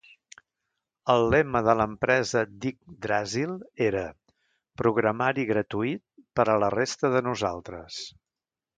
El lema de l'empresa d'Yggdrasil era "Programari gratuït per a la resta de nosaltres".